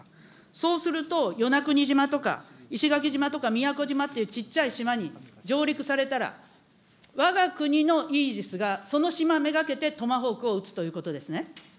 そうすると、與邦国島とか、石垣島とか宮古島っていうちっちゃい島に上陸されたら、わが国のイージスが、その島めがけてトマホークを撃つということですね。